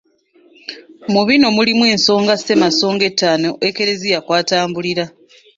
Mu bino mulimu ensonga Ssemasonga ettaano Eklezia kw'atambulira.